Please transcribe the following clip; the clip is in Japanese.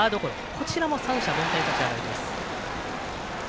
こちらも三者凡退の立ち上がり。